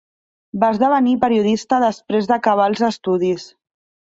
Va esdevenir periodista després d'acabar els estudis.